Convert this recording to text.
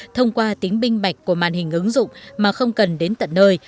thông qua tính binh mạch của màn hình ứng dụng mà không cần đến tận nơi